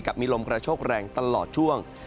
มีลมกระโชกแรงตลอดช่วง